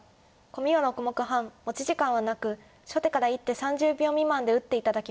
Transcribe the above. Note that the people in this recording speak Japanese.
コミは６目半持ち時間はなく初手から１手３０秒未満で打って頂きます。